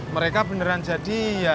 mereka beneran jadian